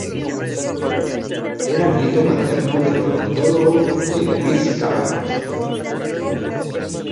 Era nieto materno del ornitólogo Jean Louis Cabanis.